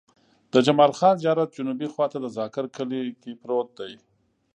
د جمال خان زيارت جنوبي خوا ته د ذاکر کلی پروت دی.